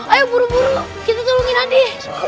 ayo buru buru kita tolongin hadi